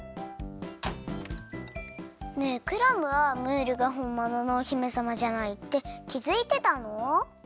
ねえクラムはムールがほんもののお姫さまじゃないってきづいてたの？